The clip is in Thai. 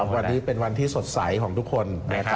วันนี้เป็นวันที่สดใสของทุกคน